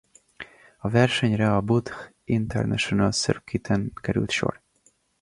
A versenyre a Buddh International Circuit-en került sor.